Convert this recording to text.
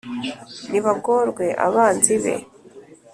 nibagorwe abanzi be